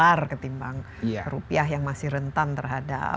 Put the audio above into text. misalnya dolar ketimbang rupiah yang masih rentan terhadap